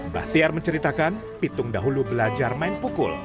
bahtiar menceritakan pitung dahulu belajar main pukul